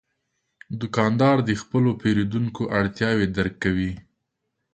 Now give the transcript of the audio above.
دوکاندار د خپلو پیرودونکو اړتیاوې درک کوي.